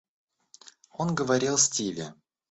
Он говорил Стиве.